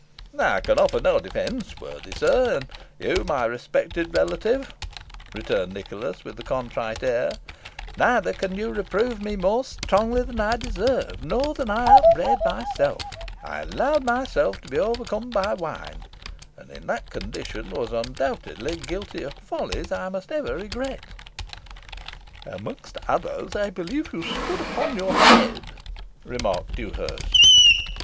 "I can offer no defence, worthy sir, and you my respected relative," returned Nicholas, with a contrite air; "neither can you reprove me more strongly than I deserve, nor than I upbraid myself. I allowed myself to be overcome by wine, and in that condition was undoubtedly guilty of follies I must ever regret." "Amongst others, I believe you stood upon your head," remarked Dewhurst.